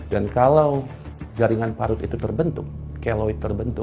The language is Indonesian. dan kalau jaringan parut itu terbentuk keloid terbentuk